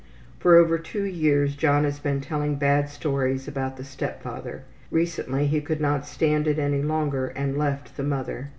For over two years John has been telling bad stories about the step father. Recently he could not stand it any longer and left the mother.